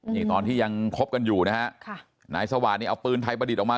นี่ตอนที่ยังคบกันอยู่นะฮะค่ะนายสวาสนี่เอาปืนไทยประดิษฐ์ออกมา